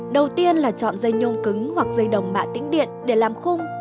đầu tiên là chọn dây nhôm cứng hoặc dây đồng mạ tĩnh điện để làm khung